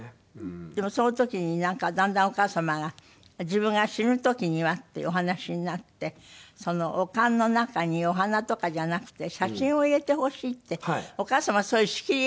でもその時になんかだんだんお母様が自分が死ぬ時にはっていうお話になってお棺の中にお花とかじゃなくて写真を入れてほしいってお母様そういう仕切り屋な。